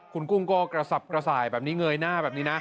คุณกุ้งก็กระสับกระส่ายแบบนี้เงยหน้าแบบนี้นะ